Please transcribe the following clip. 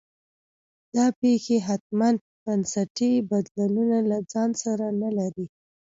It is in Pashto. دا پېښې حتمي بنسټي بدلونونه له ځان سره نه لري.